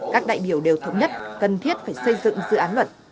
các đại biểu đều thống nhất cần thiết phải xây dựng dự án luật